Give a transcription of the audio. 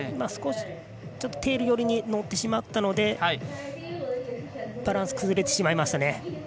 少しテール寄りに乗ってしまったのでバランス崩れてしまいました。